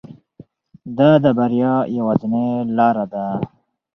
دا د بریا یوازینۍ لاره ده.